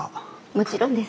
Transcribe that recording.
もちろんです。